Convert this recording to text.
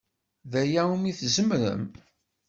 D aya umi tzemrem?